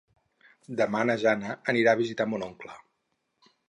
Demà na Jana anirà a visitar mon oncle.